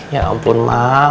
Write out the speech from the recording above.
ya ampun mak